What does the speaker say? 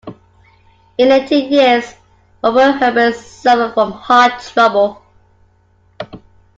In later years, Robert Herbert suffered from heart trouble.